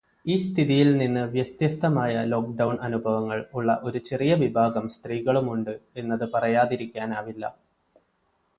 ഈ സ്ഥിതിയിൽ നിന്ന് വ്യത്യസ്തമായ ലോക്ക്ഡൗൺ അനുഭവങ്ങൾ ഉള്ള ഒരു ചെറിയ വിഭാഗം സ്ത്രീകളുമുണ്ട് എന്നത് പറയാതിരിക്കാനാവില്ല.